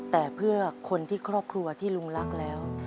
แต่เพื่อคนที่ครอบครัวที่ลุงรักแล้ว